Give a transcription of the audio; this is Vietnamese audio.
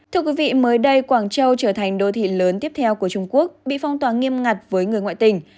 thưa quý vị mới đây quảng châu trở thành đô thị lớn tiếp theo của trung quốc bị phong tỏa nghiêm ngặt với người ngoại tỉnh